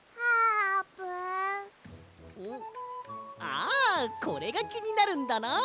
あこれがきになるんだな！